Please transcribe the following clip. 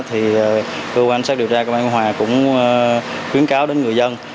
thì cơ quan công an xác định cũng khuyến cáo đến người dân